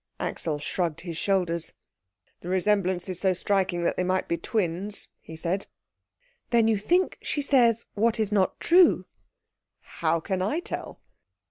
Axel shrugged his shoulders. "The resemblance is so striking that they might be twins," he said. "Then you think she says what is not true?" "How can I tell?"